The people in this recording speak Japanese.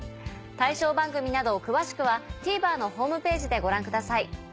対象番組など詳しくはＴＶｅｒのホームページでご覧ください。